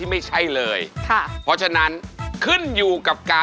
หมายเลขหนึ่งค่ะ